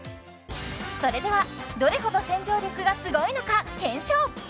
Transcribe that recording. それではどれほど洗浄力がすごいのか検証